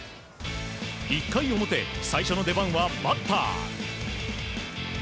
１回表、最初の出番はバッター。